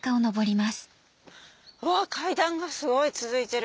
うわっ階段がすごい続いてる！